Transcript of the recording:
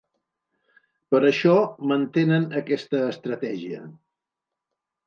Per això mantenen aquesta estratègia.